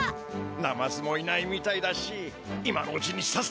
ナマズもいないみたいだし今のうちにさっさと行くぜ。